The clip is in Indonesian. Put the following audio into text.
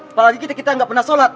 apalagi kita gak pernah sholat